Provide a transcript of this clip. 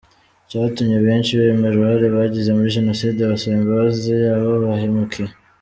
Cyatumye benshi bemera uruhare bagize muri Jenoside basaba imbabazi abo bahemukiye.